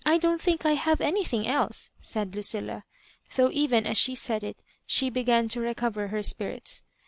1 don't think I have anything else," said Lucilla ; though even as she said it, she began to recover her spirits.